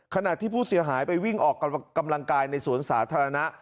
ขณะที่ผู้เสียหายไปวิ่งออกกำลังกายในสวนสาธารณะ